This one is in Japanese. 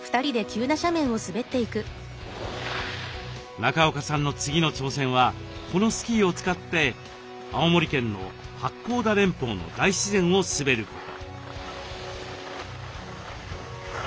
中岡さんの次の挑戦はこのスキーを使って青森県の八甲田連峰の大自然を滑ること。